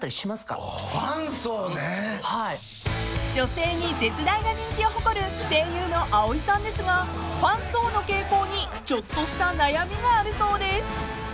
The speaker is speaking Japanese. ［女性に絶大な人気を誇る声優の蒼井さんですがファン層の傾向にちょっとした悩みがあるそうです］